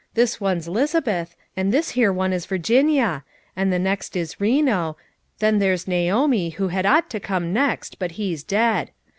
This one's 'Lizabeth, and tin's here one is Virginia; and the next is Reno; then there's Naomi who had ought to come next, but he's dead.